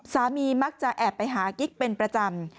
มักจะแอบไปหากิ๊กเป็นประจำ